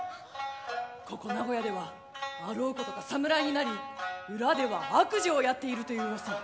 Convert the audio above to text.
ここ名古屋ではあろうことか侍になり裏では悪事をやっているという噂。